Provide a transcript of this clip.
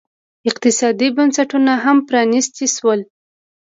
اقتصادي بنسټونه هم پرانیستي شول.